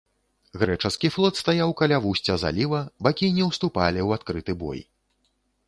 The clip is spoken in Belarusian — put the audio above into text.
Грэчаскі флот стаяў каля вусця заліва, бакі не ўступалі ў адкрыты бой.